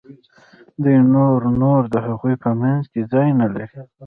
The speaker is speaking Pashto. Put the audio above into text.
دوی نور نو د هغوی په منځ کې ځای نه لري.